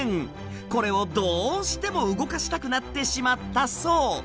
これをどうしても動かしたくなってしまったそう。